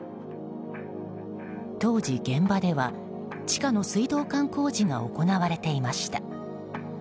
当時現場では地下の水道管工事が行われていました。